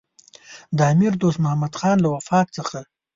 د امیر دوست محمدخان له وفات څخه.